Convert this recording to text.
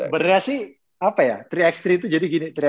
berarti apa ya tiga x tiga itu jadi gini